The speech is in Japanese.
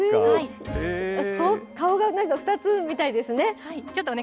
顔がなんか２つみたいですね。